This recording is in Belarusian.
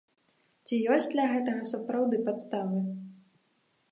Ці ёсць для гэтага сапраўды падставы?